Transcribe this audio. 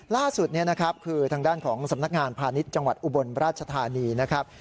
ล่าสุดคือทางด้านของสำนักงานพาณิชย์จังหวัดอุบลราชธานีนะครับ